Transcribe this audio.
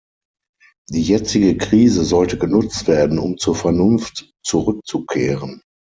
Die jetzige Krise sollte genutzt werden, um zur Vernunft zurückzukehren.